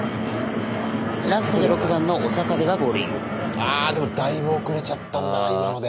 ああでもだいぶ遅れちゃったんだな今ので。